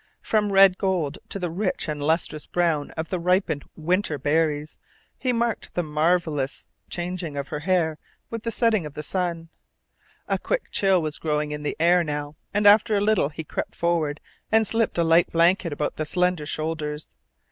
From red gold to the rich and lustrous brown of the ripened wintel berries he marked the marvellous changing of her hair with the setting of the sun. A quick chill was growing in the air now and after a little he crept forward and slipped a light blanket about the slender shoulders.